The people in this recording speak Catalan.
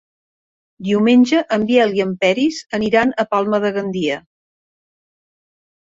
Diumenge en Biel i en Peris aniran a Palma de Gandia.